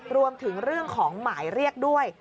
รวมถึงเรื่องของหมายเรียกด้วย